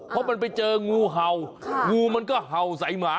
เพราะมันไปเจองูเห่างูมันก็เห่าใส่หมา